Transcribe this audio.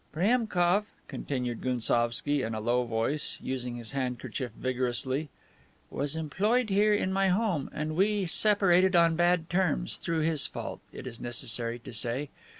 "Priemkof," continued Gounsovski in a low voice, using his handkerchief vigorously, "was employed here in my home and we separated on bad terms, through his fault, it is necessary to say.